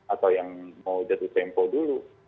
atau yang mau jatuh tempo dulu